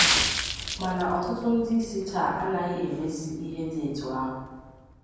Mana ọtụtụ ndịisi taa anaghị emezị ihe dị etu ahụ